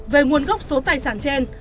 về nguồn gốc số tài sản trên